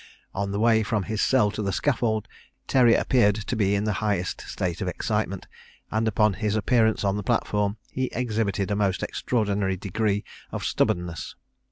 On the way from his cell to the scaffold Terry appeared to be in the highest state of excitement; and upon his appearance on the platform, he exhibited a most extraordinary degree of stubbornness.